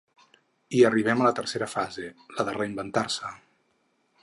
I arribem a la tercera fase, la de reinventar-se.